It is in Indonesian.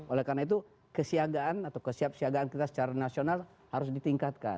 oleh karena itu kesiagaan atau kesiapsiagaan kita secara nasional harus ditingkatkan